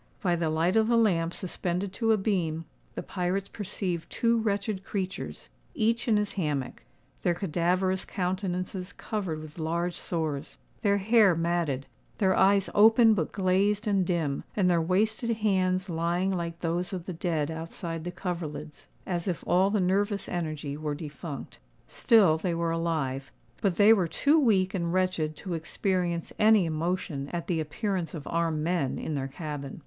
By the light of the lamp suspended to a beam, the pirates perceived two wretched creatures, each in his hammock,—their cadaverous countenances covered with large sores, their hair matted, their eyes open but glazed and dim, and their wasted hands lying like those of the dead outside the coverlids, as if all the nervous energy were defunct. Still they were alive; but they were too weak and wretched to experience any emotion at the appearance of armed men in their cabin.